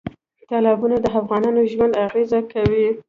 تالابونه د افغانانو ژوند اغېزمن کوي.